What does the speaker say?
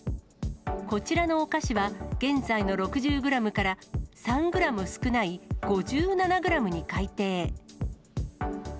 こちらのお菓子は、現在の６０グラムから３グラム少ない５７グラムに改定。